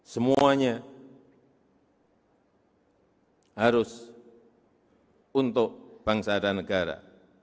semuanya harus untuk bangsa dan negara